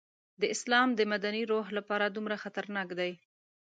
د اسلام د مدني روح لپاره دومره خطرناک دی.